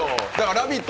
「ラヴィット！」